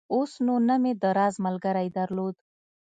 اوس نو نه مې د راز ملګرى درلود.